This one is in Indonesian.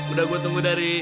udah gue tunggu dari